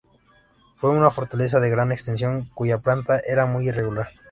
Fue una fortaleza de gran extensión cuya planta era muy irregular.